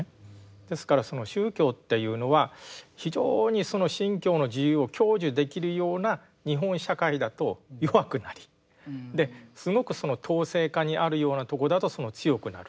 ですからその宗教というのは非常にその信教の自由を享受できるような日本社会だと弱くなりすごくその統制下にあるようなところだと強くなる。